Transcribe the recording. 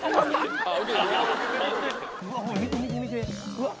うわっ